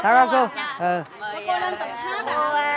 chào các cô mời cô lên tập hát nào